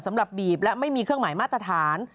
สำหรับบีบและไม่มีเครื่องหมายมาตรฐาน